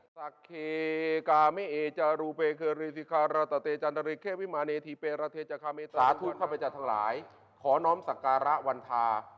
สาธุข้าพเจ้าทั้งหลายขอน้อมสักการะวันธา